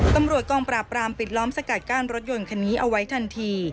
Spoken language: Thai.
ตำรวจกองปราบรามปิดล้อมสกัดกั้นรถยนต์คันนี้เอาไว้ทันที